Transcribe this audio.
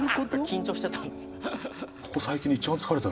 緊張してた。